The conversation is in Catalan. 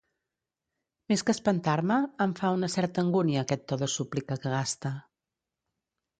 Més que espantar-me, em fa una certa angúnia aquest to de súplica que gasta.